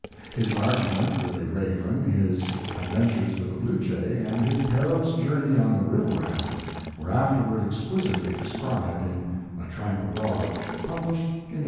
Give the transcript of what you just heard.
His argument with a raven, his adventures with a blue jay and his perilous journey on the river rail, were afterward exquisitely described in "A Tramp Abroad," published in 1880.